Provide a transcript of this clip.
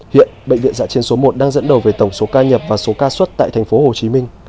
hiện bệnh viện dạ chiến số một đang dẫn đầu về tổng số ca nhập và số ca xuất tại tp hcm